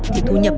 thì thu nhập